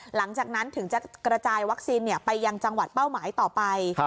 หลังจากนั้นถึงจะกระจายวัคซีนไปยังจังหวัดเป้าหมายต่อไป